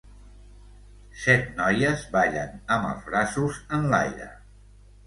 set noies ballen amb els braços enlaire.